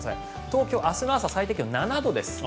東京、明日の朝最低気温、７度です。